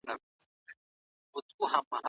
آیا ته غواړې چې په کلي کې یو لوی باغ ولرې؟